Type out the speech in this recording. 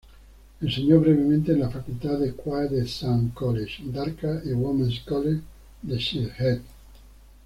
Enseñó brevemente en la Facultad de Quaid-e-Azam College, Dhaka y Women's College, de Sylhet.